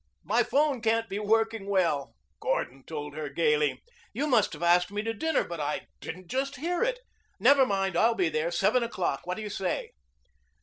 "My 'phone can't be working well," Gordon told her gayly. "You must have asked me to dinner, but I didn't just hear it. Never mind. I'll be there. Seven o'clock, did you say?"